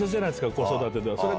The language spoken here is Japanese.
子育てでは。